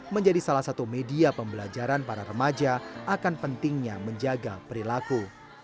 menjadi salah satu media pembelajaran para remaja akan pentingnya menjaga perilaku